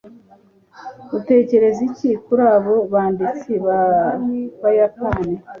Utekereza iki kuri abo banditsi bAbayapani